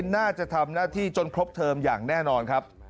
น่าจะทำหน้าที่จนครบเทอมอย่างแน่นอนครับ